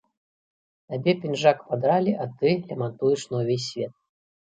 Табе пінжак падралі, а ты лямантуеш на ўвесь свет.